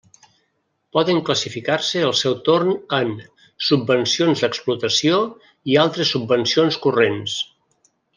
Poden classificar-se al seu torn en: subvencions d'explotació i altres subvencions corrents.